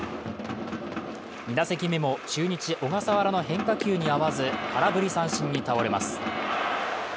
２打席目も、中日・小笠原の変化球に合わず、空振り三振に倒れます。